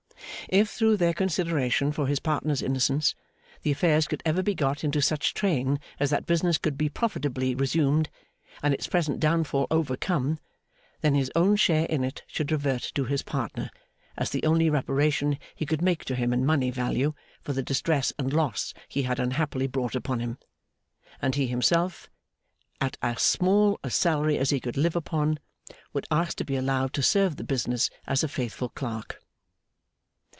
If, through their consideration for his partner's innocence, the affairs could ever be got into such train as that the business could be profitably resumed, and its present downfall overcome, then his own share in it should revert to his partner, as the only reparation he could make to him in money value for the distress and loss he had unhappily brought upon him, and he himself, at as small a salary as he could live upon, would ask to be allowed to serve the business as a faithful clerk.